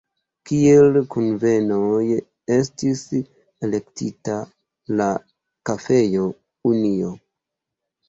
Kiel kunvenejo estis elektita la kafejo „Union“.